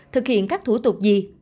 thực hiện các thủ tục gì